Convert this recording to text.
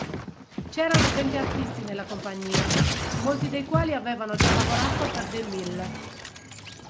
C'erano venti artisti nella compagnia, molti dei quali avevano già lavorato per de Mille.